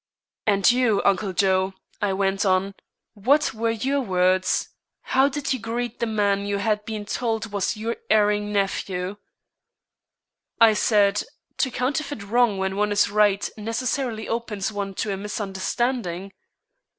"And you, Uncle Joe," I went on; "what were your words? How did you greet the man you had been told was your erring nephew?" "I said: 'To counterfeit wrong when one is right, necessarily opens one to a misunderstanding.'"